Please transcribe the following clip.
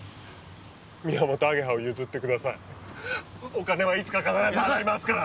お金はいつか必ず払いますから！